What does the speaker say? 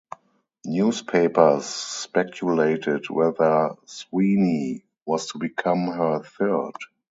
Newspapers speculated whether Sweeny was to become her third.